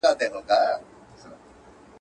که څېړنه ژوره وي نو نتيجه روښانه کېږي.